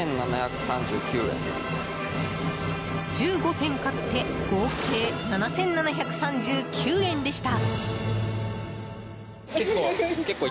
１５点買って合計７７３９円でした。